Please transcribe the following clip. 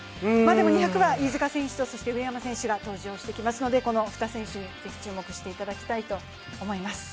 でも２００は飯塚選手と上山選手が登場してきますのでこの２選手にぜひ注目していただきたいと思います。